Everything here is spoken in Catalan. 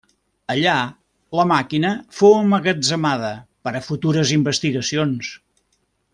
Allà la màquina fou emmagatzemada per a futures investigacions.